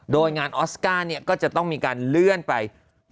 โดยงานออสการ์ก็จะต้องมีการเลื่อนไป